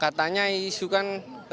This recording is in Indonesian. katanya isu kan